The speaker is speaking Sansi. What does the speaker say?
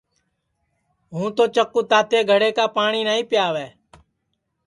ہُوں چکُو تو تاتے گھڑے کا پاٹؔی نائیں پِیاوے